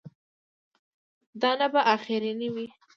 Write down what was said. دا نه به اخرنی وي.